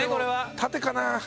縦かな？